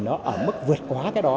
nó ở mức vượt quá cái đó